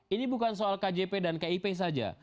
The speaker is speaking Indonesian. ini bukan soal kjp dan kip saja